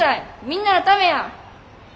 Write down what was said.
みんなのためや。